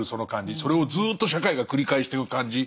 それをずっと社会が繰り返してく感じ。